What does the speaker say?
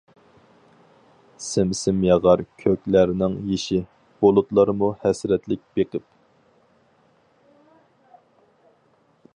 سىم-سىم ياغار كۆكلەرنىڭ يېشى، بۇلۇتلارمۇ ھەسرەتلىك بېقىپ.